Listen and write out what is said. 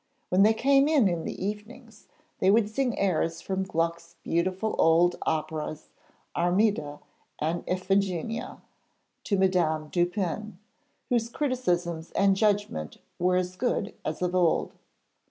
When they came in the evenings, they would sing airs from Gluck's beautiful old operas 'Armida' and 'Iphigenia' to Madame Dupin, whose criticisms and judgment were as good as of old.